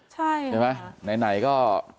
ใช่ไหมไหนก็